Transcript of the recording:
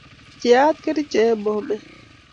pchiyat kericho eng' bomet